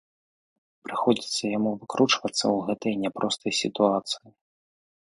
Прыходзіцца яму выкручвацца ў гэтай няпростай сітуацыі.